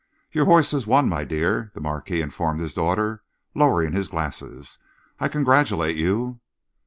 "Your horse has won, my dear," the Marquis informed his daughter, lowering his glasses. "I congratulate you."